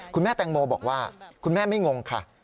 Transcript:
คุณแม่แตงโมบอกว่าคุณแม่ไม่งงค่ะ